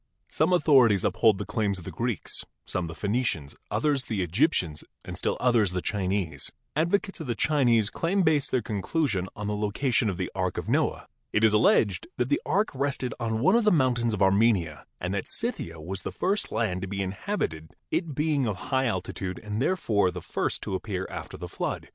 Some authorities uphold the claims of the Greeks, some the Phenicians, others the Egyptians and still others the Chinese. Advocates of the Chinese claim base their conclusion on the location of the Ark of Noah. It is alleged that the ark rested on one of the mountains of Armenia and that Scythia was the first land to be inhabited, it being of high altitude and therefore the first to appear after the flood.